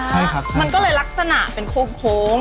เอาหมวกมาเป็นกระทะ